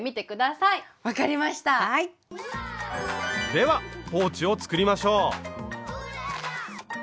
ではポーチを作りましょう！